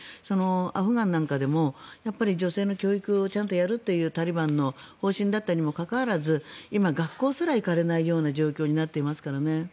アフガンなんかでも女性の教育をちゃんとやるというタリバンの方針だったにもかかわらず今、学校すら行かれない状況になっていますからね。